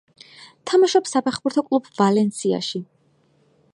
თამაშობს საფეხბურთო კლუბ „ვალენსიაში“.